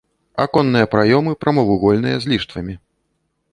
Аконныя праёмы прамавугольныя, з ліштвамі.